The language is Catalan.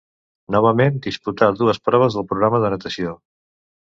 Novament disputà dues proves del programa de natació.